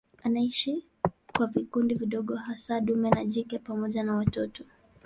Anaishi kwa vikundi vidogo hasa dume na jike pamoja na watoto.